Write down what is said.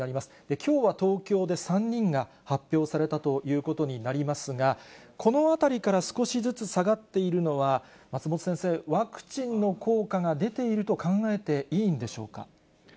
きょうは東京で３人が発表されたということになりますが、このあたりから少しずつ下がっているのは、松本先生、ワクチンの効果が出ていると考えていいんでしょうか。